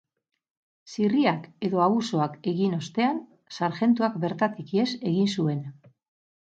Zirriak edo abusuak egin ostean, sarjentuak bertatik ihes egiten zuen.